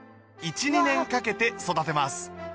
１２年かけて育てます